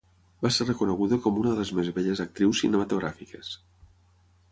Va ser reconeguda com una de les més belles actrius cinematogràfiques.